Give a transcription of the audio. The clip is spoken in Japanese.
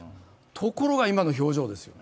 ところが今の表情ですよ。